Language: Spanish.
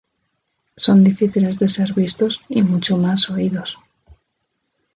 Son difíciles de ser vistos y mucho más oídos.